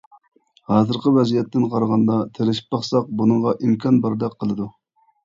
ھازىرقى ۋەزىيەتتىن قارىغاندا تىرىشىپ باقساق بۇنىڭغا ئىمكان باردەك قىلىدۇ.